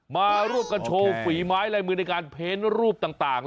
มาร่วมกันโชว์ฝีไม้ลายมือในการเพ้นรูปต่าง